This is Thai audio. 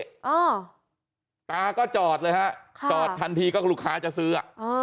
อ้าวตาก็จอดเลยฮะจอดทันทีก็ลูกค้าจะซื้อ